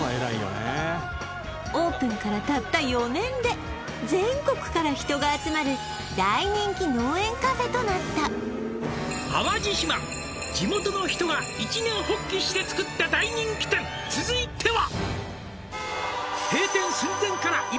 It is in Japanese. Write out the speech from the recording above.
オープンからたった４年で全国から人が集まる「淡路島地元の人が一念発起して」「つくった大人気店続いては」